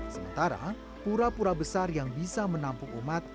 sementara pura pura besar yang bisa menampung umat